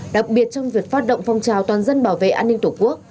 đặc biệt trong việc phát động phong trào toàn dân bảo vệ an ninh tổ quốc